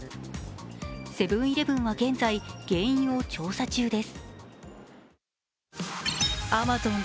セブン−イレブンは現在、原因を調査中です。